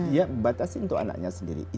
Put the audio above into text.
dia batasi untuk anaknya sendiri